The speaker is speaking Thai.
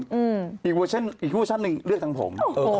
แล้วก็ทำงานหนึ่งเลือกตัวผม